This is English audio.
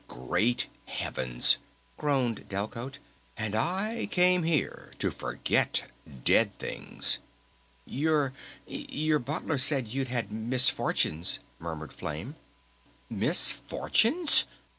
"Great Heavens!" groaned Delcote. "And I came here to forget 'dead things'!" "Your your Butler said you'd had misfortunes," murmured Flame. "Misfortunes?"